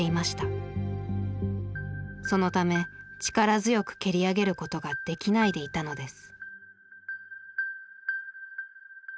そのため力強く蹴り上げることができないでいたのです。